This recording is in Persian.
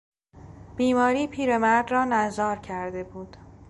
بیماری پیرمرد را نزار کرده بود.